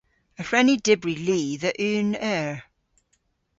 Y hwren ni dybri li dhe unn eur.